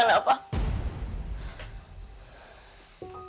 aku tak takut